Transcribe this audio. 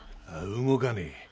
動かねえ。